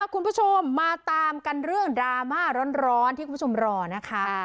คุณผู้ชมมาตามกันเรื่องดราม่าร้อนที่คุณผู้ชมรอนะคะ